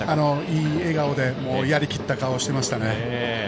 いい笑顔で、やりきった顔をしていましたね。